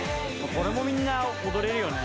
これもみんな踊れるよね。